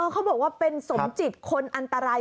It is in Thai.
เขาบอกว่าเป็นสมจิตคนอันตราย